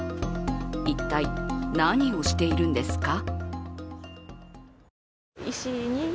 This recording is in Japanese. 一体、何をしているんですか？